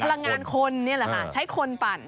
พลังงานคนนี่แหละค่ะใช้คนปั่น